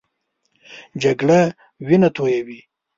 جګړه وینه تویوي